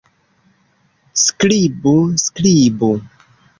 Skribu! Skribu!